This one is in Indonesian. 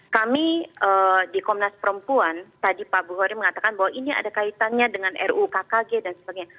kami di komnas perempuan tadi pak bukhari mengatakan bahwa ini ada kaitannya dengan ruu kkg dan sebagainya